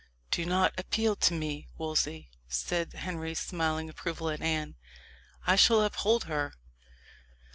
"Do not appeal to me, Wolsey," said Henry, smiling approval at Anne; "I shall uphold her."